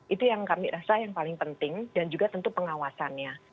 itu yang kami rasa yang paling penting dan juga tentu pengawasannya